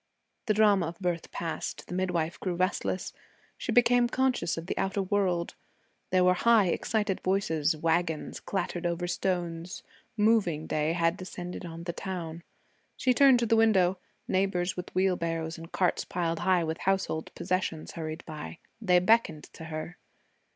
The drama of birth passed, the midwife grew restless. She became conscious of the outer world. There were high excited voices; wagons clattered over stones; moving day had descended on the town. She turned to the window. Neighbors with wheelbarrows and carts piled high with household possessions hurried by. They beckoned to her.